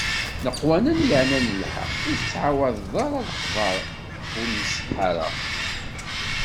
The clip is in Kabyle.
Leqwanen yeɛnan lḥeqq: ur tettɛawadeḍ ara lexbaṛ ur nṣeḥḥa ara.